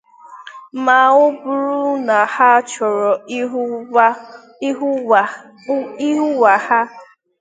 ma ọ bụrụ na ha chọrọ ịhụ nwa ha